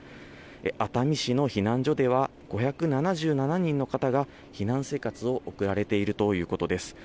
熱海市の避難所では、５７７人の方が避難生活を送られているということです。